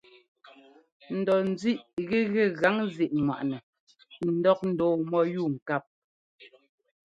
N dɔ ńzíꞌ gɛgɛ gaŋzíꞌŋwaꞌnɛ ńdɔk ndɔɔ mɔ́yúu ŋkáp.